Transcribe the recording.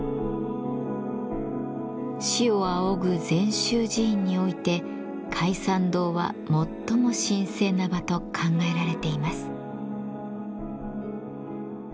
師を仰ぐ禅宗寺院において開山堂は最も神聖な場と考えられています。